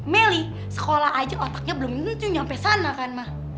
meli sekolah aja otaknya belum nyampe sana kan ma